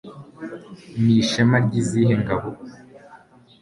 n'ishema ryizihiye ingabo